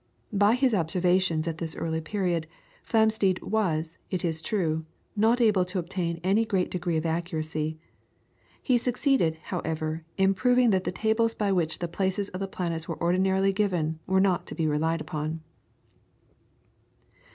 By his observations at this early period, Flamsteed was, it is true, not able to obtain any great degree of accuracy; he succeeded, however, in proving that the tables by which the places of the planets were ordinarily given were not to be relied upon.